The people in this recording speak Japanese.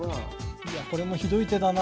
いやこれもひどい手だな。